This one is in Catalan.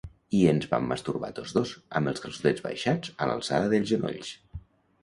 I ens vam masturbar tots dos, amb els calçotets baixats a l'alçada dels genolls.